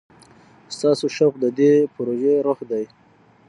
ستاسو شوق د دې پروژې روح دی.